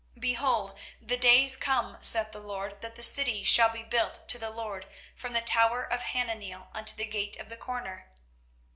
24:031:038 Behold, the days come, saith the LORD, that the city shall be built to the LORD from the tower of Hananeel unto the gate of the corner.